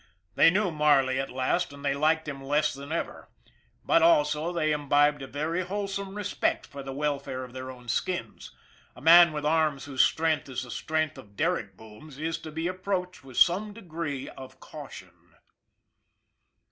They knew Marley at last, and they liked him less than ever; but, also, they imbibed a very wholesome respect for the welfare of their own skins. A man with arms whose strength is the strength of derrick booms is to be approached with some degree of caution.